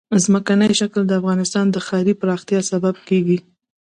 ځمکنی شکل د افغانستان د ښاري پراختیا سبب کېږي.